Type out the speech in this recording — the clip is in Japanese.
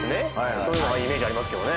そういうのがイメージありますけどね